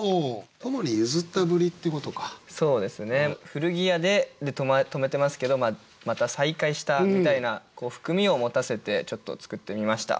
「古着屋で」で止めてますけどまた再会したみたいな含みを持たせてちょっと作ってみました。